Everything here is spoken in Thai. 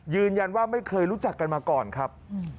ยืนยันว่าไม่เคยรู้จักกันมาก่อนครับ